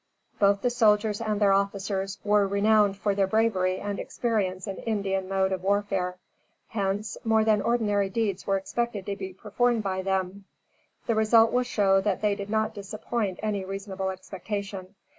Both the soldiers and their officers were renowned for their bravery and experience in Indian mode of warfare; hence, more than ordinary deeds were expected to be performed by them. The result will show that they did not disappoint any reasonable expectation.